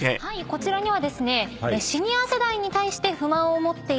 こちらにはですね。